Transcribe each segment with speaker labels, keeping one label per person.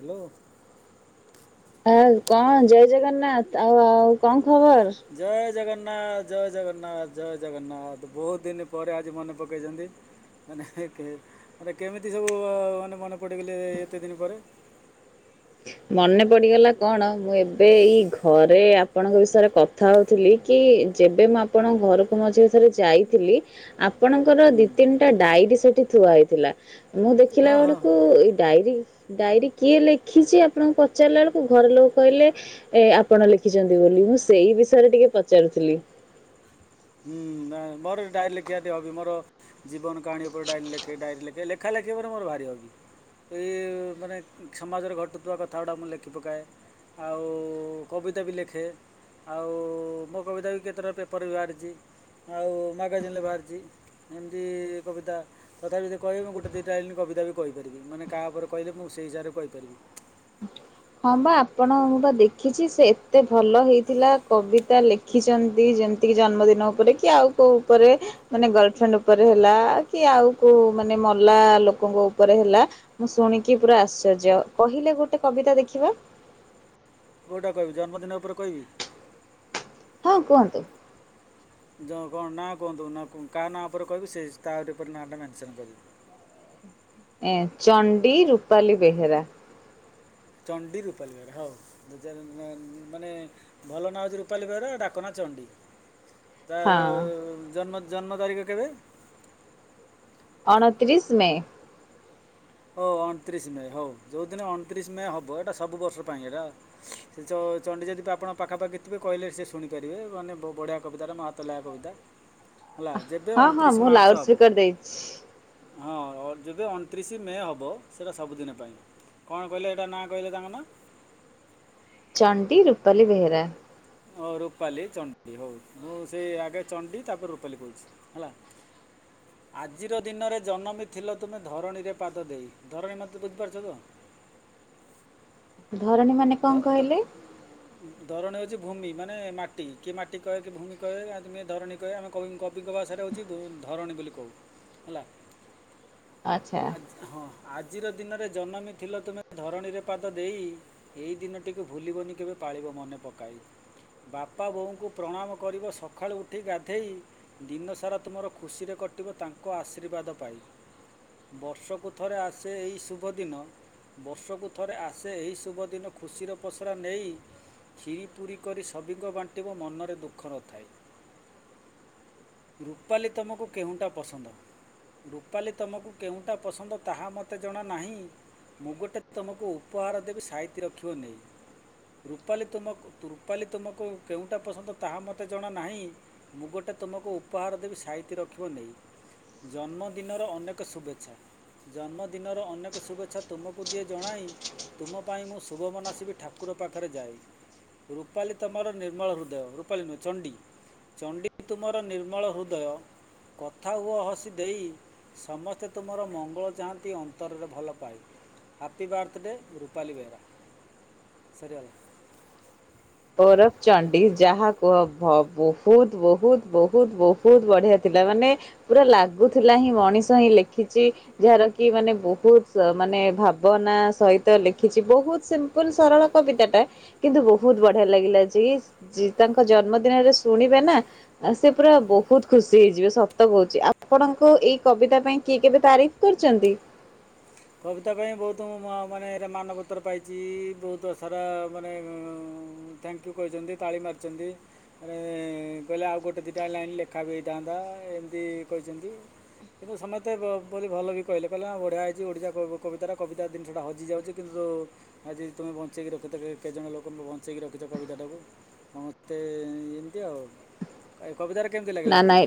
Speaker 1: Hello
Speaker 2: ଆ କଣ ଜୟ ଜଗନ୍ନାଥ ଆଉ ଆଉ କଣ ଖବର?
Speaker 1: ଜୟ ଜଗନ୍ନାଥ ଜୟ ଜଗନ୍ନାଥ ଜୟ ଜଗନ୍ନାଥ ବହୁତ ଦିନି ପରେ ଆଜି ମନେ ପକେଇଛନ୍ତି। ମାନେ ମାନେ କେମିତି ସବୁ ମାନେ ମନେ ପଡ଼ିଗଲେ ଏତେ ଦିନ ପରେ?
Speaker 2: ମନେ ପଡିଗଲା କଣ? ମୁଁ ଏବେ ଏଇ ଘରେ ଆପଣଙ୍କ ବିଷୟରେ କଥା ହଉଥିଲି କି? ଯେବେ ମୁଁ ଆପଣଙ୍କ ଘରକୁ ମଝିରେ ଥରେ ଯାଇଥିଲି? ଆପ ଆପଣଙ୍କର
Speaker 1: ହୁଁ
Speaker 2: ଦି ତିନିଟା ଡାଏରୀ ସେ ଠି ଥୁଆ ହେଇଥିଲା। ମୁଁ ଦେଖିଲା
Speaker 1: ହଁ ହଁ
Speaker 2: ବେଳକୁ
Speaker 1: ହଁ
Speaker 2: ଏଇ ଡାଏରୀ ଡାଏରୀ କିଏ ଲେଖି ଲେଖିଛି? ଆପଣଙ୍କୁ ପଚାରିଲା ବେଳକୁ, ଘର ଲୋକ କହିଲେ ଏ ଆପଣ ଲେଖିଛନ୍ତି ବୋଲି। ମୁଁ ସେଇ ବିଷୟରେ ଟିକେ ପଚାରୁଥିଲି।
Speaker 1: ହୁଁ ନା ମୋର ଡାଏରୀ ଲେଖିବା ଟିକେ ହବି ମୋର ଜୀବନ କାହାଣୀ ଉପରେ ଡାଏରୀ ଲେଖେ, ଡାଏରୀ ଲେଖେ [unintelligible] ଲେଖେ- ଲେଖା ଲେଖି ଉପରେ ମୋର ଭାରି ହବି। ଏଇ ମାନେ ସମାଜରେ ଘଟୁଥିବା କଥା ଗୁଡ଼ାକ ମୁଁ ଲେଖି ପକାଏ। ଆଉ କବିତା ବି ଲେଖେ ଆଉ ମୋ କବିତା ବି କେତେଟା ପେପରରେ ବି ବାହାରିଛି। ଆଉ ମାଗାଜିନ୍ ରେ ବାହାରିଛି। ଏମିତି କବିତା ତଥାପି ଯଦି କହିବେ ମୁଁ ଗୋଟେ ଦୁଇଟା ଲାଇନ୍ କବିତା ବି କହିପାରିବି। ମାନେ କାହା ଉପରେ କହିଲେ ମୁଁ ସେଇ ହିସାବରେ କହିପାରିବି।
Speaker 2: ହଁ ବା ଆପଣ ମୁଁ ବା ଦେଖିଛି ସେ ଏତେ ଭଲ ହେଇଥିଲା କବିତା ଲେଖିଛନ୍ତି, ଯେମତି କି ଜନ୍ମଦିନ ଉପରେ କି ଆଉ କୋଉ ଉପରେ। ମାନେ ଗର୍ଲଫ୍ରେଣ୍ଡ ଉପରେ ହେଲା, କି ଆଉ କୋଉ ମାନେ ମଲା ଲୋକଙ୍କ ଉପରେ ହେଲା। ମୁଁ ଶୁଣିକି ପୁରା ଆଶ୍ଚର୍ଯ୍ୟ କହିଲେ ଗୋଟେ କବିତା ଦେଖ ଖିବା
Speaker 1: କୋଉଟା କହିବି ଜନ୍ମଦିନ ଉପରେ କହିବି?
Speaker 2: ହଁ କୁହନ୍ତୁ।
Speaker 1: ଜ କଣ ନାଁ କୁହନ୍ତୁ ନା କାହା ନାଁ ଉପରେ କହିବି ସେ ତାରି ଉପରେ ନାଁ ଟା ମେନସନ କରିବି।
Speaker 2: ଏଁ ଚଣ୍ଡୀ ରୂପାଲି ବେହେରା
Speaker 1: ଚଣ୍ଡୀ ରୂପାଲି ବେହେରା ହଉ [unintelligible] ମାନେ ଭଲ ନାଁ ହଉଛି ରୂପାଲି ବେହେରା ଡାକ ନାଁ ଚଣ୍ଡୀ। ତାର
Speaker 2: ହଁ
Speaker 1: ଉ ଜନ୍ମ ଜନ୍ମ ତାରିଖ କେବେ?
Speaker 2: ଅଣତିରିଶି ମେ
Speaker 1: ଓ ଅଣତିରିଶି ମେ ହଉ ଯୋଉ ଦିନ ଅଣତିରିଶି ମେ ହବ ଏଇଟା ସବୁ ବର୍ଷ ପାଇଁ ଏଇଟା ସେ ଚ ଚଣ୍ଡୀ ଯଦି ତ ଆପଣଙ୍କ ପାଖାପାଖି ଥିବେ କହିଲେ ସେ ଶୁଣିପାରିବେ ମାନେ ବ ବଢ଼ିଆ କବିତାଟା ମୋ ହାତ ଲେଖା କବିତା। ହେଲା ଯେବେ
Speaker 2: ହଁ ହଁ
Speaker 1: ଅଣତିରିଶ
Speaker 2: ମୁଁ
Speaker 1: ମାର୍ଚ୍ଚ
Speaker 2: ଲାଉଡ
Speaker 1: ହେବ
Speaker 2: ସ୍ପିକର ଦେଇଛି।
Speaker 1: ହଁ ଯେବେ ଅଣତିରିଶି ମେ ହବ ସେଇଟା ସବୁଦିନ ପାଇଁ କଣ କହିଲେ ଏଇଟା ନାଁ କହିଲେ ତାଙ୍କ ନାଁ?
Speaker 2: ଚଣ୍ଡୀ ରୂପାଲି ବେହେରା
Speaker 1: ଓ ରୂପାଲି ଚଣ୍ଡୀ ହଉ ମୁଁ ସେଇ ଆଗେ ଚଣ୍ଡୀ ତାପରେ ରୂପାଲି କହୁଛି ହେଲା ଆଜିର ଦିନରେ ଜନମି ଥିଲ ତୁମେ ଧରଣୀରେ ପାଦ ଦେଇ ଧରଣୀ ମତେ ବୁଝିପାରୁଛ ତ?
Speaker 2: ଧରଣୀ ମାନେ କଣ କହିଲେ?
Speaker 1: ଉଛି ଭୂମି ମାନେ ମାଟି କିଏ ମାଟି କହେ କି ଭୂମି କହେ କେ ଆ ମୁଇଁ ଧରଣୀ କହେ ଆମେ କବିଙ୍କ କବିଙ୍କ ଭାଷାରେ ହେଉଛି ଭୂ ଧରଣୀ ବୋଲି କହୁ ହେଲା।
Speaker 2: ଆଚ୍ଛା
Speaker 1: ଆ ହଁ ଆଜିର ଦିନରେ ଜନମି ଥିଲ ତୁମେ ଧରଣୀରେ ପାଦ ଦେଇ ଏଇ ଦିନଟିକୁ ଭୁଲିବନି କେବେ ପାଳିବ ମନେ ପକାଇ ବାପା ବୋଉଙ୍କୁ ପ୍ରଣାମ କରିବ ସକାଳୁ ଉଠି ଗାଧେଇ ଦିନସାରା ତୁମର ଖୁସିରେ କଟିବ ତାଙ୍କ ଆଶୀର୍ବାଦ ପାଇ ବର୍ଷକୁ ଥରେ ଆସେ ଏଇ ଶୁଭ ଦିନ ବର୍ଷକୁ ଥରେ ଆସେ ଏହି ଶୁଭ ଦିନ ଖୁସିର ପସରା ନେଇ କ୍ଷୀରି ପୁରି କରି ସଭିଙ୍କ ବାଣ୍ଟିବ ମନରେ ଦୁଃଖ ନଥାଇ। ରୂପାଲି ତମକୁ କେଉଁଟା ପସନ୍ଦ ରୂପାଲି ତମକୁ କେଉଁଟା ପସନ୍ଦ ତାହା ମତେ ଜଣା ନାହିଁ ମୁଁ ଗୋଟେ ତମକୁ ଉପହାର ଦେବି ସାଇ ତି ରଖିବ ନେଇ। ରୂପାଲି ତୁମ ରୂପାଲି ତୁମକୁ କେଉଁଟା ପସନ୍ଦ ତାହା ମତେ ଜଣା ନାହିଁ ମୁଁ ଗୋଟେ ତୁମକୁ ଉପହାର ଦେବି ସାଇତି ରଖିବ ନେଇ। ଜନ୍ମଦିନର ଅନେକ ଶୁଭେଛା ଜନ୍ମ ଦିନର ଅନେକ ଶୁଭେଛା ତୁମକୁ ଦିଏ ଜଣାଇ ତୁମ ପାଇଁ ମୁଁ ଶୁଭ ମନାସିବି ଠାକୁର ପାଖରେ ଯାଇ। ରୂପାଲି ତମର ନିର୍ମଳ ହୃଦୟ ରୂପାଲି ନୁହେଁ ଚଣ୍ଡୀ ଚଣ୍ଡୀ ତୁମର ନିର୍ମଳ ହୃଦୟ କଥା ହୁଅ ହସି ଦେଇ ସମସ୍ତେ ତୁମର ମଙ୍ଗଳ ଚାହାଁନ୍ତି ଅନ୍ତରରେ ଭଲ ପାଇ ହାପି ବାର୍ଥଡେ ରୂପାଲି ବେହେରା। ସରି ଗଲା।
Speaker 2: ଓରଫ ଚଣ୍ଡୀ ଯାହା କୁହ ବ ବହୁତ ବହୁତ ବହୁତ ବହୁତ ବଢିଆ ଥିଲା ମାନେ ପୁରା ଲାଗୁଥିଲା ହିଁ ମଣିଷ ହିଁ ଲେଖିଛି ଯାହାର କି ମାନେ ବହୁତ ମାନେ ଭାବନା ସହିତ ଲେଖିଛି ବହୁତ ସିମ୍ପୁଲ ସରଳ କବିତା ଟା କିନ୍ତୁ ବହୁତ ବଢି ବଢିଆ ଲାଗିଲା ଯି ଯି ତାଙ୍କ ଜନ୍ମଦିନରେ ଶୁଣିବେ ନା ସେ ପୁରା ବହୁତ ଖୁସି ହେଇଯିବେ ସତ କହୁଛି ଆପଣଙ୍କ ଏଇ କବିତା ପାଇଁ କିଏ କେବେ ତାରିଫ କରିଛନ୍ତି?
Speaker 1: କବିତା ପାଇଁ ବହୁତ ମୁଁ ମ ମାନେ ରେ ମାନପତ୍ର ପାଇଛି ବହୁତ ସାରା ମାନେ ଅଁ ଥ୍ୟାଙ୍କ ୟୁ କହିଛନ୍ତି ତାଳି ମାରିଛନ୍ତି ମାନେ କହିଲେ ଆଉ ଗୋଟେ ଦିଇଟା ଲାଇନ ଲେଖା ବି ହେଇଥାନ୍ତା ଏମିତି କହିଛନ୍ତି କିନ୍ତୁ ସମସ୍ତେ ବ ବୋଲି ଭଲ ବି କହିଲେ କହିଲେ ଆ ବଢ଼ିଆ ହେଇ ଛି ଓଡ଼ିଶା କବି କବିତା ଟା କବିତା ଦିନିଷଟା ହଜିଯାଉଛି କିନ୍ତୁ ଆଜି ତୁମେ ବଞ୍ଚେଇକି ରଖିଛ କେ କେତେଜଣ ଲୋକ ବଞ୍ଚେଇକି ରଖିଛ କବିତା ଟାକୁ ସମସ୍ତେ ଏ ଏମିତି ଆଉ ଆ
Speaker 2: ନା ନାଇ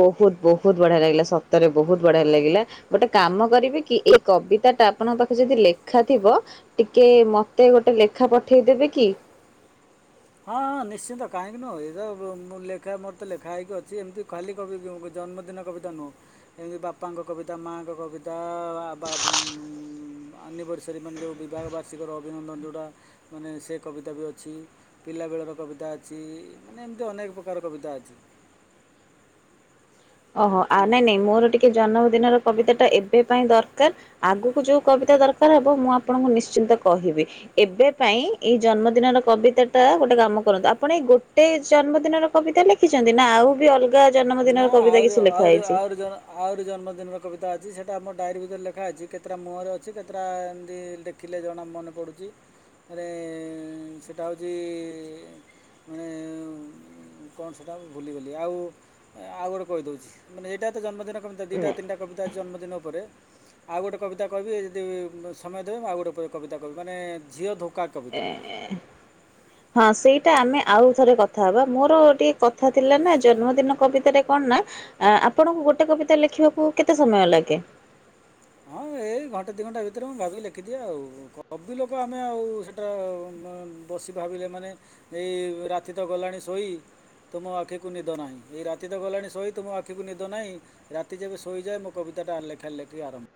Speaker 2: ବହୁତ ବହୁ ବହୁତ ବଢିଆ ଲାଗିଲା ସତରେ ବହୁତ ବଢିଆ ଲାଗିଲା ଗୋଟେ କାମ କରିବେ କି ଏଇ କବିତା ଟା ଆପଣଙ୍କ ପାଖରେ ଯଦି ଲେଖା ଥିବ ଟିକେ ମତେ ଗୋଟେ ଲେଖା ପଠେଇଦେବେ କି?
Speaker 1: ହଁ ହଁ ନିଶ୍ଚିନ୍ତ କାହିଁକି ନୁହଁ ଏ ତ ଉଁ ଉଁ ଲେଖା ମୋର ତ ଲେଖା ହେଇକି ଅଛି ଏମିତି ଖାଲିି କବି ଉଁ ଜନ୍ମଦିନ କବିତା ନୁହଁ ଏମିତି ବାପାଙ୍କ କବିତା ମାଆଙ୍କ କବିତା ବା ବା ଉଁ ଆନିବରିସରୀ ମାନେ ଯେଉଁ ବିବାହ ବାର୍ଷିକର ଅଭିନନ୍ଦନ ଯୋଉଟା ମାନେ ସେ କବିତା ବି ଅଛି। ପିଲାବେଳର କବିତା ଅଛି ମାନେ ଏମିତି ଅନେକ ପ୍ରକାର କବିତା ଅଛି।
Speaker 2: ଓହୋ ଆଉ
Speaker 1: ହେଲା
Speaker 2: ନାଇଁ ନାଇଁ ମୋର ଟିକେ ଜନ୍ମଦିନର କବିତା ଟା ଏବେ ପାଇଁ ଦରକାର ଆଗୁକୁ ଯୋଉ କବିତା ଦରକାର ହବ ମୁଁ ଆପଣଙ୍କୁ ନିଶ୍ଚିନ୍ତ କହିବି ଏବେ ପାଇଁ ଏଇ ଜନ୍ମଦିନର କବିତା ଟା ଗୋଟେ କାମ କରନ୍ତୁ ଆପଣ ଏଇ ଗୋଟେ ଜନ୍ମଦିନର କବିତା ଲେଖିଛନ୍ତି ନା ଆଉ ବି ଅଲ ଗା ଜନମ ଦିନ
Speaker 1: ହଁ ଆହୁରି ଆହୁରି ଆହୁରି ଜନମ ଆହୁର ଜନ୍ମ ଦିନ ର କବିତା ଅ ଛି ସେଇଟା ମୋ ଡାଏରୀ ଭିତରେ ଲେଖା ଅଛି କେତେଟା ମୁହଁରେ ଅଛି କେତେଟା ଏମିତି ଲେଖିଲେ ଜଣା ମନେ ପଡ଼ୁଛି ରେ ଏଁ ସେଇଟା ହଉଛି ମାନେ ଉ କଣ ସେଇଟା ଭୁଲି ଗଲି ଆଉ ଆଉ ଗୋଟେ କହି ଦଉଛି ମାନେ ଏଇଟା ତ ଜନ୍ମଦିନ କବିତା ଦିଟା ତିନିଟା କବି ତା ଜନ୍ମଦିନ ଉପରେ ଆଉ ଗୋଟେ କବିତା କହିବି ଯଦି ଉ ସମୟ ଦେବେ ମୁଁ ଆଉ ଗୋଟେ ପ କବିତା କହିବି ମାନେ ଝିଅ ଧୋକା
Speaker 2: ନାଇଁ
Speaker 1: କବିତା।
Speaker 2: ଏ ହଁ ସେଇଟା ଆମେ ଆଉ ଥରେ କଥା ହବା ମୋର ଟିକେ କଥା ଥିଲା ନା ଜନ୍ମଦିନ କବିତା ରେ କଣ ନା ଆ ଆପଣଙ୍କୁ ଗୋଟେ କବିତା ଲେଖିବାକୁ କେତେ ସମୟ ଲାଗେ?
Speaker 1: ହଁ ଏଇ ଘଣ୍ଟେ ଦୁଇ ଘଣ୍ଟା ଭିତରେ ମୁଁ ଭାବିକି ଲେଖିଦିଏ ଆଉ କବି ଲୋକ ଆମେ ଆଉ ସେଇଟା ବସି ଭାବିଲେ ମାନେ ଏଇ ରାତି ତ ଗଲାଣି ଶୋଇ ତୁମ ଆଖିକୁ ନିଦ ନାହିଁ ଏଇ ରାତି ତ ଗଲାଣି ଶୋଇ ତୁମ ଆଖିକୁ ନିଦ ନାହିଁ ରାତି ଯେବେ ଶୋଇଯାଏ ମୋ କବିତାଟା ଲେଖା ଲେଖି ଆରମ୍ଭ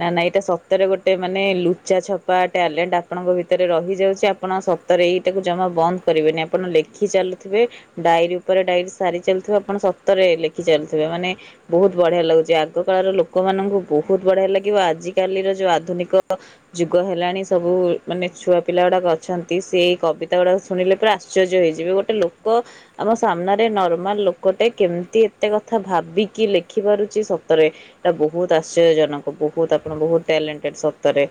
Speaker 2: ନା ନା ଏଇଟା ସତରେ ଗୋଟେ ମାନେ ଲୁଚା ଛପା ଟ୍ୟାଲେଣ୍ଟ ଆପଣଙ୍କ ଭିତରେ ରହିଯାଉଛି ଆପଣ ସତରେ ଏଇଟାକୁ ଜମା ବନ୍ଦ କରିବେନି ଆପଣ ଲେଖି ଚାଲୁଥିବେ ଡ଼ାଇରୀ ଉପରେ ଡ଼ାଇରୀ ସାରି ଚାଲୁଥିବେ ଆପଣ ସତରେ ଲେଖି ଚାଲୁଥିବେ ମାନେ ବହୁତ ବଢିଆ ଲାଗୁଛି ଆଗ କାଳର ଲୋକମାନଙ୍କୁ ବହୁତ ବଢିଆ ଲା କି ଆଜିକାଲିର ଯୋଉ ଆଧୁନିକ ଯୁଗ ହେଲାଣି ସବୁ ମାନେ ଛୁଆ ପିଲା ଗୁଡାକ ଅଛନ୍ତି ସେ କବିତା ଗୁଡାକ ଶୁଣିଲେ ପୁରା ଆଶ୍ଚର୍ଯ୍ୟ ହେଇଯିବେ ଗୋଟେ ଲୋକ ଆମ ସାମ୍ନାରେ ନର୍ମାଲ ଲୋକଟେ କେମିତି ଏତେ କଥା ଭାବିକି ଲେଖିପାରୁଛି ସତରେ ଏଇଟା ବହୁତ ଆଶ୍ଚର୍ଯ୍ୟଜନକ ବହୁତ ଆପଣ ବହୁତ ଟ୍ୟାଲେଣ୍ଟେଡ ସତରେ।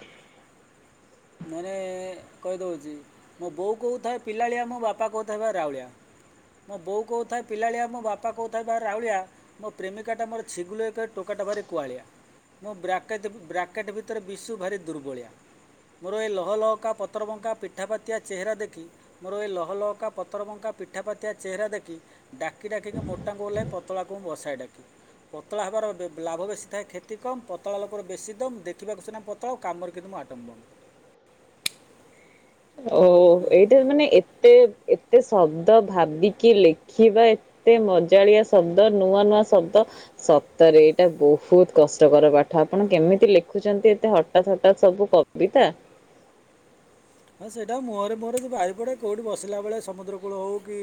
Speaker 1: ମାନେ କହିଦେଉଛି ମୋ ବୋଉ କହୁଥାଏ ପିଲାଳିଆ ମୋ ବାପା କହୁଥାଇଥିବା ବା ରାଉଳିଆ ମୋ ବୋଉ କହୁଥାଏ ପିଲାଳିଆ ମୋ ବାପା କହୁଥାଏ ବା ରାଉଳିଆ ମୋ ପ୍ରେମିକାଟା ମୋର ଛିଗୁଲ ଏକ ଟୋକାଟା ଭାରି କୁଆଳିଆ ମୋ ବ୍ରାକେଟ୍ ବ୍ରାକେଟ୍ ଭିତରେ ବିଶୁ ଭାରି ଦୁର୍ବଳିଆ। ମୋର ଏଇ ଲହଲହକା ପତରବଙ୍କା ପିଠାପାତିଆ ଚେହେରା ଦେଖି ମୋର ଏଇ ଲହଲହକା ପତରବଙ୍କା ପିଠାପାତିଆ ଚେହେରା ଦେଖି ଡାକି ଡାକିକି ମୋଟାଙ୍କୁ ଓହ୍ଲାଏ ପତଳାକୁ ମୁଁ ବସାଇ ଡାକି ପତଳା ହେବାର ଲାଭ ବେଶୀ ଥାଏ କ୍ଷତି କମ୍ ପତଳା ଲୋକର ବେଶୀ ଦମ୍ ଦେଖିବାକୁ ସିନା ପତଳା ଆଉ କାମରେ କିନ୍ତୁ ମୁଁ ଆଟମ୍ବମ।
Speaker 2: ଓ
Speaker 1: ହେଲା
Speaker 2: ଏଇଟା ମାନେ ଏତେ ଏ ଏତେ ଶବ୍ଦ ଭାବିକି ଲେଖିବା ଏତେ ମଜାଳିଆ ଶବ୍ଦ ନୂଆ ନୂଆ ଶବ୍ଦ ସତରେ ଏଇଟା ବହୁତ କଷ୍ଟକର ପାଠ ଆପଣ କେମିତି ଲେଖୁଛନ୍ତି ଏତେ ହଠାତ୍ ହଠତ୍ ସବୁ କବିତା
Speaker 1: ହଁ ସେଇଟା ମୁହଁରେ ମୁହଁରେ ବାହାରି ପଡ଼େ କେଉଁଠି ବସିଲା ବେଳେ ସମୁଦ୍ର କୂଳ ହଉ କି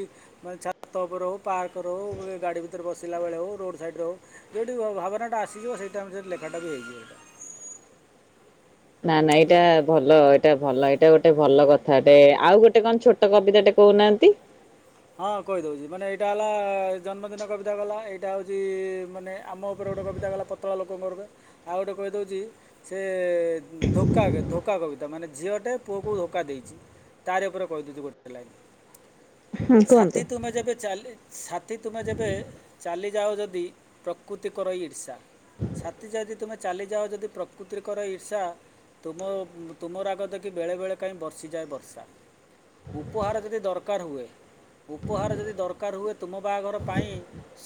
Speaker 1: ମାନେ ଛାତ ଉପରେ ହଉ। ପାର୍କ ରେ ହୋଉ ଗାଡି ଭିତରେ ବସ ଥିଲାବେଳେ ହେଉ ରୋଡ଼ ସାଇଡ଼ରେ ହେଉ ଯେଉଁଠି ଭାବନାଟା ଆସିଯିବ ସେଇ ଟାଇମ୍ ସେ ଲେଖାଟା ବି ହେଇଯିବ।
Speaker 2: ନା ନାଇ ଏଇଟା ଭଲ ଏଇଟା ଭଲ ଏଇଟା ଗୋଟେ ଭଲ କଥାଟେ ଆଉ ଗୋଟେ କଣ ଛୋଟ କବିତାଟେ କହୁନାହାନ୍ତି।
Speaker 1: ହଁ କହିଦଉଛି ମାନେ ଏଇଟା ହେଲା ଜନ୍ମଦିନ କବିତା ଗଲା ଏଇଟା ହେଉଛି ମାନେ ଆମ ଉପରେ ଗୋଟେ କବିତା ଗଲା ପତଳା ଲୋକଙ୍କ ଉପରେ ଆଉ ଗୋଟେ କହିଦେଉଛି ସେ ଧୋକା ଧୋକା କବିତା ମାନେ ଝିଅଟେ ପୁଅକୁ ଧୋକା ଦେଇଛି ତାର ଉପରେ କହିଦେଉଛି ଗୋଟେ ଲାଇନ୍
Speaker 2: ହୁଁ କୁହନ୍ତୁ
Speaker 1: ଛାତି ତୁମେ ଯେବେ ଚାଲେ ସାଥି ତୁମେ ଯେବେ ଚାଲି ଯାାଓ ଯଦି ପ୍ରକୃତିକରଇ ଇର୍ଷା ଛାତି ଯଦି ତୁମେ ଚାଲିଯାଅ ଯଦି ପ୍ରକୃତିକର ଇର୍ଷା ତୁମ ତୁମର ରାଗ ଦେଖି ବେଳେବେଳେ କାହିଁ ବର୍ଷିଯାଏ ବର୍ଷା ଉପହାର ଯଦି ଦରକାର ହୁଏ। ଉପହାର ଯଦି ଦରକାର ହୁଏ ତୁମ ବାହାଘର ପାଇଁ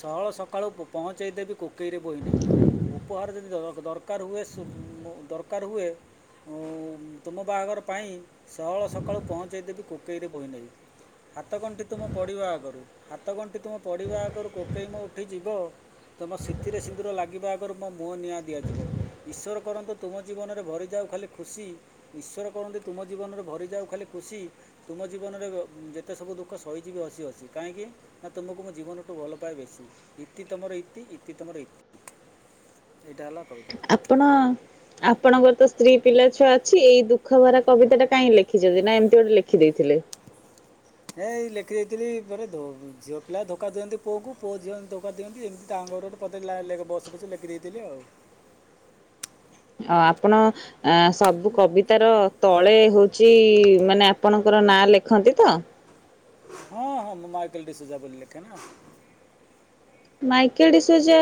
Speaker 1: ସହଳ ସକାଳୁ ପହଞ୍ଚାଇ ଦେବି କୋକେଇରେ ବୋହି ନେଇ ଉପହାର ଯଦି ଦରକାର ହୁଏ ଦରକାର ହୁଏ ଉଁ ତୁମ ବାହାଘର ପାଇଁ ସହଳ ସକାଳୁ ପହଞ୍ଚାଇ ଦେେବି କୋକେଇରେ ବୋହି ନେଇଁ। ହାତଗଣ୍ଠି ତୁମ ପଡ଼ିବା ଆଗରୁ ହାତଗଣ୍ଠି ତୁମ ପଡ଼ିବା ଆଗରୁ କୋକେଇ ମୋ ଉଠି ଯିବ ତୁମ ସିନ୍ଥିରେ ସିନ୍ଦୁର ଲାଗିବା ଆଗରୁ ମୋ ମୁହଁ ନିଆଁ ଦିଆଯିବ ଈଶ୍ୱର କରନ୍ତୁ ତୁମ ଜୀବନରେ ଭରିଯାଉ ଖାଲି ଖୁସି ଈଶ୍ୱର କରନ୍ତୁ ତୁମ ଜୀବନରେ ଭରିଯାଉ ଖାଲି ଖୁସି ତୁମ ଜୀବନରେ ଯେ ଏତେ ସବୁ ଦୁଃଖ ସହିଯିବ ବି ହସି ଅସି କାହିଁକି ନା ତୁମକୁ ମୁଁ ଜୀବନଠୁ ଭଲ ପାଏ ବେଶୀ ଇତି ତମର ଇତି ଇତି ତମର ଇତି ଏଇଟା ହେଲା କବି
Speaker 2: ଆପଣ ଆପଣଙ୍କର ତ ସ୍ତ୍ରୀ ପିଲା ଛୁଆ ଅଛି ଏଇ ଦୁଃଖ ଭରା କବିତା ଟା କାହିଁକ ଲେଖିଛନ୍ତି ନା ଏମିତି ଗୋଟେ ଲେଖି ଦେଇେଇଥିଲେ?
Speaker 1: ଏ ଏଇ ଲେଖିଦେଇଥିଲି ପରେ ଝିଅ ପିଲା ଧୋକା ଦିଅନ୍ତି ପୁଅକୁ ପୁଅ ଝିଅ ଧୋକା ଦିଅନ୍ତି ଏମିତି ତାଙ୍କ ଉପରେ ଗୋଟେ ବସୁ ବସୁ ଲେଖି ଦେଇେଇଥିଲି ଆଉ।
Speaker 2: ଅ ଆପଣ ସବୁ କବିତାର ତଳେ ହଉଛି ମାନେ ଆପଣଙ୍କର ନାଁ ଲେଖନ୍ତି ତ?
Speaker 1: ହଁ ହଁ ମୁଁ ମାଇକେଲ୍ ଡିସୁଜା ବୋଲି ଲେଖେ ନା।
Speaker 2: ମାଇକେଲ୍ ଡିସୋଜା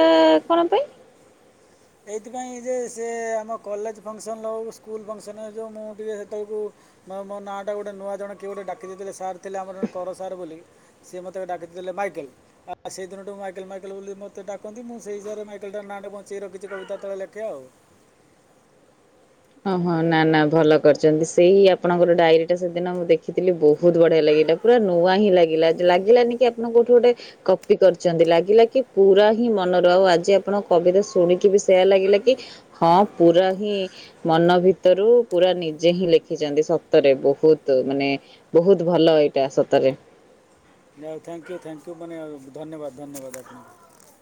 Speaker 2: କଣ ପାଇଁ?
Speaker 1: ଏଇଥିପାଇଁ ଯେ ସେ ଆମ କଲେଜ ଫଙ୍କସନଉ ସ୍କୁଲ ଫଙ୍କସନ ମୁଁ ଟିକେ ସେତେଳକୁ ମୋ ନାଁ ଟା ଗୋଟେ ନୂଆ ଜଣ କିଏ ଗୋଟେ ଡାକି ଦେଇଥିଲେ ସାର୍ ଥିଲେ ଆମର ଜଣେ କର ସାର୍ ବୋଲି ସିଏ ମତେ ଡାକି ଦେଲେ ମାଇକେଲ୍ ଆ ସେଇ ଦିନ ଠୁ ମୁଁ ମାଇକେଲ୍ ମାଇକେଲ୍ ବୋଲି ମତେ ଡାକନ୍ତି ମୁଁ ସେଇ ହିସାବରେ ମାଇକେଲ୍ ନାଁ ଟାକୁ ବଞ୍ଚେଇ ରଖି କବିତା ତଳେ ଲେଖେ ଆଉ।
Speaker 2: ଓ ହଁ ନା ନା ଭଲ କରିଛନ୍ତି ସେଇ ଆପଣଙ୍କର ଡାଏରୀ ଟା ସେଦିନ ମୁଁ ଦେଖିଥିଲି ବହୁତ ବଢିଆ ଲାଗିଲା ପୁରା ନୂଆ ହିଁ ଲାଗିଲା ଲାଗିଲାନି କି ଆପଣ କୋଉଠୁ ଗୋଟେ କପି କରିଛନ୍ତି ଲାଗିଲା କି ପୁରା ହିଁ ମନରୁ ଆଉ ଆଜି ଆପଣଙ୍କ କବିତା ଶୁଣିକି ବି ସେୟା ଲାଗିଲା କି ହଁ ପୁରା ହିଁ ମନ ଭିତରୁ ପୁରା ନିଜେ ହିଁ ଲେଖିଛନ୍ତି ସତରେ ବହୁତ ମାନେ ବହୁତ ଭଲ ଏଇଟା ସତରେ।
Speaker 1: ଯାହଉ ଥ୍ୟାଙ୍କୟୁ ଥ୍ୟାଙ୍କୟୁ ମାନେ ଧନ୍ୟବାଦ ଧନ୍ୟବାଦ ଆପଣଙ୍କୁ।